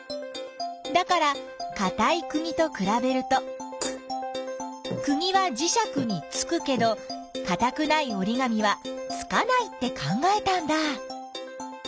だからかたいくぎとくらべるとくぎはじしゃくにつくけどかたくないおりがみはつかないって考えたんだ。